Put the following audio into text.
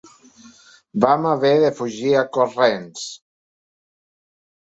Vam haver de fugir a corrents.